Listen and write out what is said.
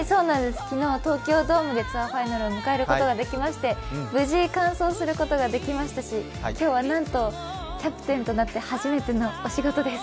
昨日は東京ドームでツアーファイナルを迎えることができまして無事完走することができましたし今日はなんと、キャプテンとなって初めてのお仕事です。